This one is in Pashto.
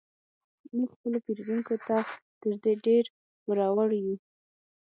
موږ خپلو پیرودونکو ته تر دې ډیر پور وړ یو